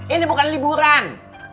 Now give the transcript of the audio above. ini bukan liburan